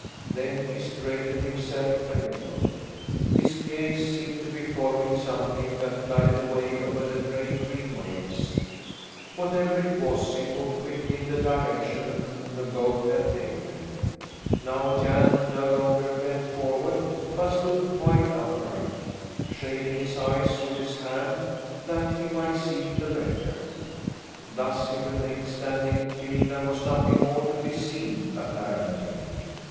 Then he straightened himself a little. His gaze seemed to be following something that glided away over the gray green waves. Whatever it was, it moved quickly in the direction the boat had taken. Now Jan no longer bent forward but stood quite upright, shading his eyes with his hand that he might see the better. Thus he remained standing till there was nothing more to be seen, apparently.